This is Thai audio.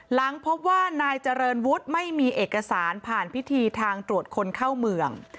หลังพบว่านายเจริญวุฒิไม่มีเอกสารผ่านพิธีทางตรวจคนเข้าเมือง